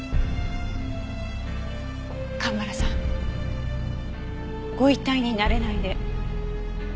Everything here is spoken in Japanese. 蒲原さんご遺体に慣れないで。